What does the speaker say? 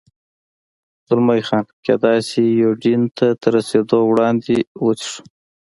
زلمی خان: کېدای شي یوډین ته تر رسېدو وړاندې، وڅښو.